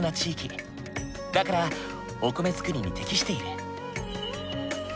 だからお米作りに適している。